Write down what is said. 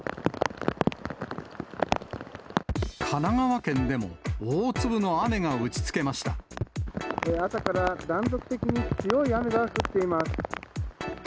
神奈川県でも大粒の雨が打ち朝から断続的に強い雨が降っています。